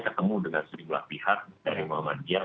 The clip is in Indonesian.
ketemu dengan sejumlah pihak dari muhammadiyah